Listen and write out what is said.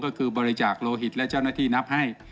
ก็คือบริจาคโลหิตและเจ้าหน้าที่นับให้